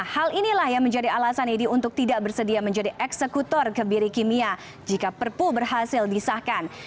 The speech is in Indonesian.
hal inilah yang menjadi alasan idi untuk tidak bersedia menjadi eksekutor kebiri kimia jika perpu berhasil disahkan